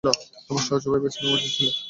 তোমার সহজ উপায় বেছে নেওয়া উচিত ছিল।